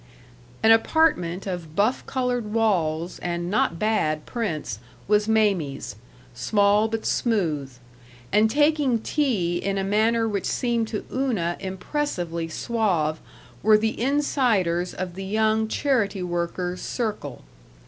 An apartment of buff colored walls and not bad prints was Mamie's, small, but smooth; and taking tea in a manner which seemed to Una impressively suave were the insiders of the young charity workers' circle.